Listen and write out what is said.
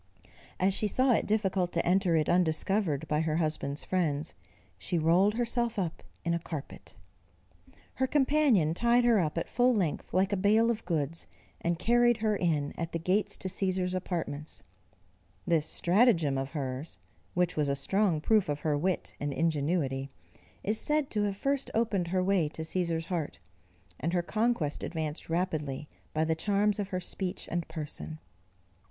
As she saw it difficult to enter it undiscovered by her husband's friends, she rolled herself up in a carpet. Her companion tied her up at full length like a bale of goods, and carried her in at the gates to Cæsar's apartments. This stratagem of hers, which was a strong proof of her wit and ingenuity, is said to have first opened her way to Cæsar's heart, and her conquest advanced rapidly by the charms of her speech and person.